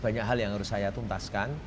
banyak hal yang harus saya tuntaskan